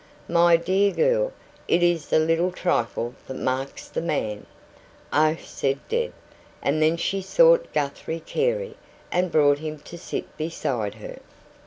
"My dear girl, it is the little trifle that marks the man." "Oh!" said Deb. And then she sought Guthrie Carey, and brought him to sit beside her.